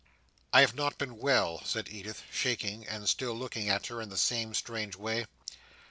"I have not been well," said Edith, shaking, and still looking at her in the same strange way.